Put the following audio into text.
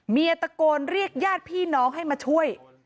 เมียตะโกนเรียกญาติพี่น้องให้มาช่วย